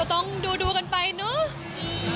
ต้องดูกันไปเนอะ